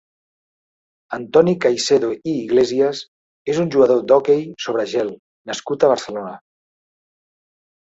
Antoni Caicedo i Iglesias és un jugador d'hoquei sobre gel nascut a Barcelona.